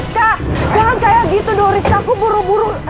rizka jangan kayak gitu dong rizka aku buru buru